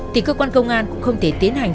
thì cơ quan công an cũng không thể tiến hành